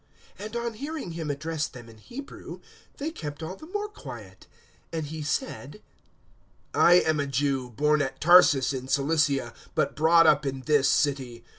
022:002 And on hearing him address them in Hebrew, they kept all the more quiet; and he said, 022:003 "I am a Jew, born at Tarsus in Cilicia, but brought up in this city.